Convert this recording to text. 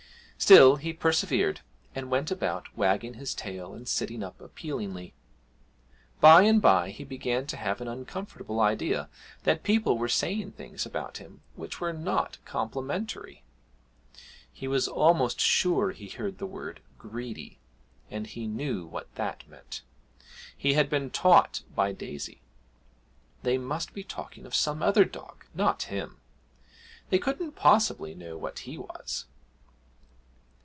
Still he persevered, and went about, wagging his tail and sitting up appealingly. By and by he began to have an uncomfortable idea that people were saying things about him which were not complimentary. He was almost sure he heard the word 'greedy,' and he knew what that meant: he had been taught by Daisy. They must be talking of some other dog not him; they couldn't possibly know what he was!